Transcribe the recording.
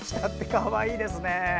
かわいいですね！